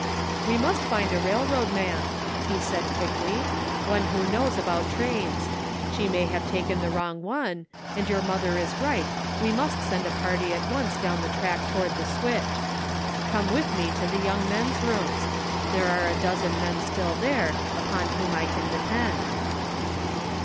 "We must find a railroad man," he said quickly, "one who knows about trains. She may have taken the wrong one ; and your mother is right, we must send a party at once down the track toward the switch. Come with me to the Young Men's Rooms ; there are a dozen men still there, upon whom I can depend."